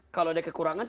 kalau ada kekurangannya